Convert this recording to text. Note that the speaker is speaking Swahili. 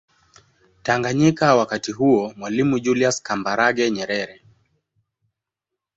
Tanganyika wakati huo Mwalimu juliusi Kambarage Nyerere